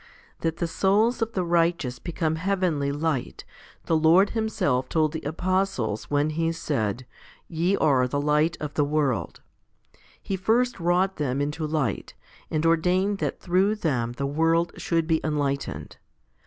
4. That the souls of the righteous become heavenly light, the Lord Himself told the apostles, when He said, Ye are the light of the world 1 He first wrought them into light, and ordained that through them the world should be enlightened.